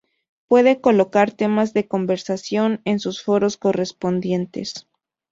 Pueden colocar temas de conversación en sus foros correspondientes.